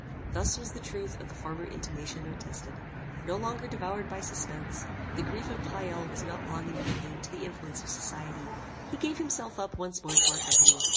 Thus was the truth of the former intimation attested. No longer devoured by suspense, the grief of Pleyel was not long in yielding to the influence of society. He gave himself up once more to our company.